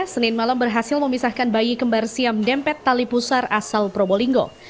senin malam berhasil memisahkan bayi kembar siam dempet tali pusar asal probolinggo